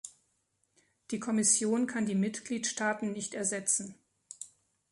Die Kommission kann die Mitgliedstaaten nicht ersetzen.